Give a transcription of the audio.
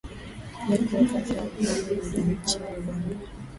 pia kuweka sawa mpango miji nchini rwanda